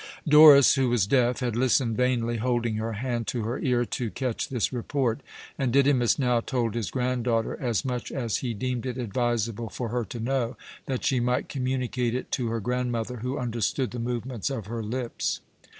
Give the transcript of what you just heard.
Doris, who was deaf, had listened vainly, holding her hand to her ear, to catch this report; and Didymus now told his granddaughter as much as he deemed it advisable for her to know, that she might communicate it to her grandmother, who understood the movements of her lips.